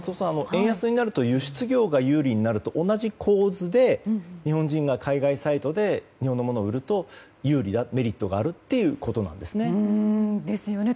円安になると輸出業が有利になるのと同じ構図で日本人が海外サイトで日本の物を売るとメリットがあるということですよね。ですよね。